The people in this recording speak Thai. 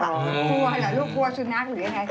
ลูกกลัวสุนัขหรือยังไงคะ